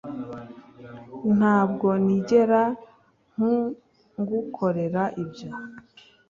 ntabwo nigera ngukorera ibyo